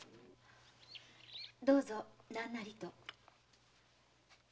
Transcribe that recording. どうぞ何なりと。